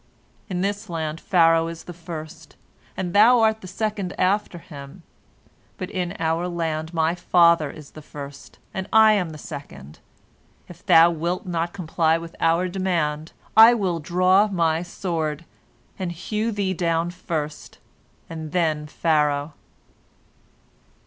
In this land Pharaoh is the first, and thou art the second after him, but in our land my father is the first, and I am the second. If thou wilt not comply with our demand, I will draw my sword, and hew thee down first, and then Pharaoh."